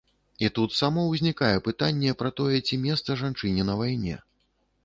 І тут само ўзнікае пытанне пра тое, ці месца жанчыне на вайне.